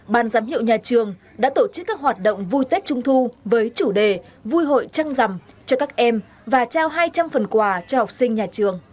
ban giám hiệu nhà trường đã tổ chức các hoạt động vui tết trung thu với chủ đề vui hội trăng rằm cho các em và trao hai trăm linh phần quà cho học sinh nhà trường